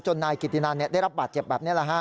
นายกิตินันได้รับบาดเจ็บแบบนี้